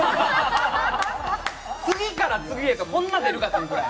次から次へとこんな出るか？というぐらい。